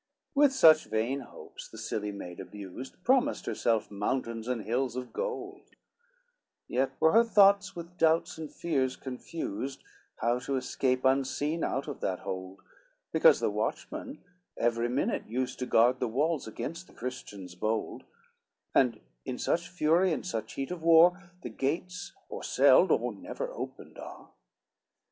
LXXVIII With such vain hopes the silly maid abused, Promised herself mountains and hills of gold; Yet were her thoughts with doubts and fears confused How to escape unseen out of that hold, Because the watchman every minute used To guard the walls against the Christians bold, And in such fury and such heat of war, The gates or seld or never opened are.